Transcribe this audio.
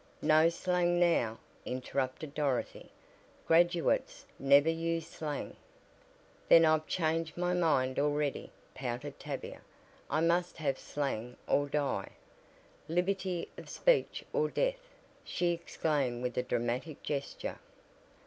"No slang now," interrupted Dorothy. "Graduates never use slang." "Then I've changed my mind already," pouted Tavia, "I must have slang or die 'Liberty of speech or death!'" she exclaimed with a dramatic gesture.